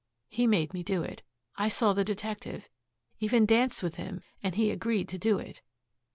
He made me do it. I saw the detective, even danced with him and he agreed to do it.